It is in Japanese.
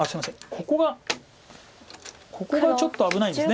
ここがここがちょっと危ないんです。